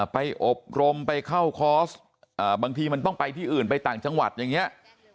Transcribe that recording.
ไปอบรมไปเข้าคอร์สบางทีมันต้องไปที่อื่นไปต่างจังหวัดอย่างนี้